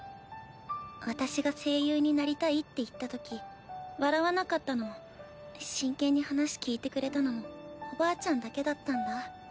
私が声優になりたいって言ったとき笑わなかったのも真剣に話聞いてくれたのもおばあちゃんだけだったんだ。